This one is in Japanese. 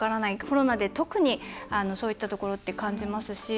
コロナで特にそういったところって感じますし。